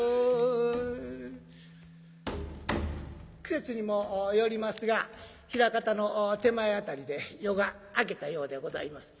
季節にもよりますが枚方の手前辺りで夜が明けたようでございます。